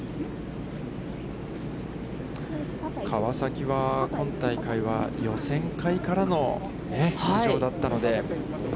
川崎は、今大会は予選会からの出場だったので。